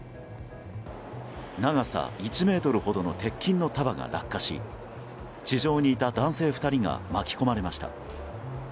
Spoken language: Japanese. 長さ１ｍほどの鉄筋の束が落下し地上にいた男性２人が巻き込まれました。